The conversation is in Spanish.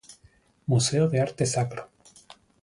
Museo de arte sacro.